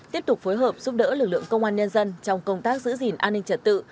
tiếp tục phối hợp giúp đỡ lực lượng công an nhân dân trong công tác giữ gìn an ninh trật tự